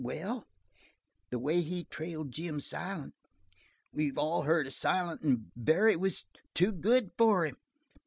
"Well, the way he trailed Jim Silent. We've all heard of Silent, and Barry was too good for him."